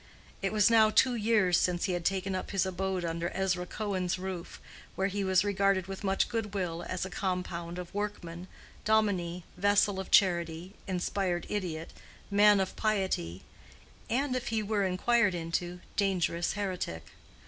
It was now two years since he had taken up his abode under Ezra Cohen's roof, where he was regarded with much good will as a compound of workman, dominie, vessel of charity, inspired idiot, man of piety, and (if he were inquired into) dangerous heretic.